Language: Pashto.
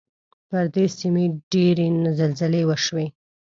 پر دې سیمې ډېرې زلزلې وشوې.